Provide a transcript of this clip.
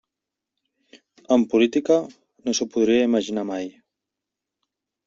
En política, no s'ho podria imaginar mai.